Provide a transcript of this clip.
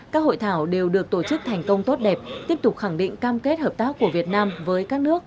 các hội thảo đều được tổ chức thành công tốt đẹp tiếp tục khẳng định cam kết hợp tác của việt nam với các nước